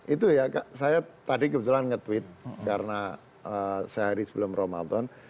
itu ya saya tadi kebetulan nge tweet karena sehari sebelum ramadan